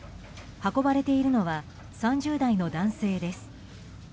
運ばれているのは３０代の男性です。